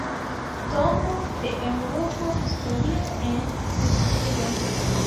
Domo de eŭropa historio en ekzilo.